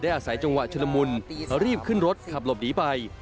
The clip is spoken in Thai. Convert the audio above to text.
อาศัยจังหวะชุลมุนรีบขึ้นรถขับหลบหนีไป